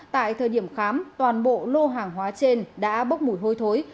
tại thời điểm khám toàn bộ lô hàng hóa trên đã bốc mùi hôi thối